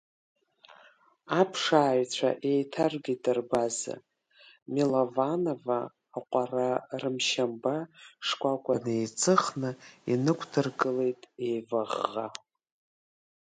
Аԥшааҩцәа еиҭаргеит рбаза, Милованова аҟәара рымшьамба шкәакәа неиҵыхны инықәдыргылеит, еиваӷӷа.